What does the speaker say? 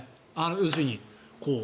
要するに。